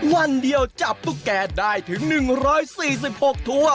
วันเดียวจับตุ๊กแก่ได้ถึง๑๔๖ถั่ว